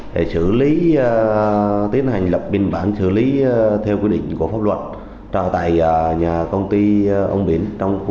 để xử lý theo quy định của pháp luật trở tại nhà công ty ông biển